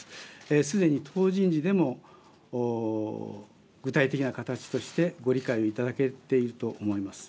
すでに党人事でも具体的な形としてご理解をいただけていると思います。